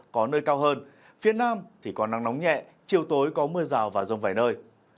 có nơi cao hơn phía nam thì có nắng nóng nhẹ chiều tối có mưa rào và rông vài nơi